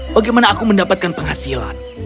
bagaimana aku mendapatkan penghasilan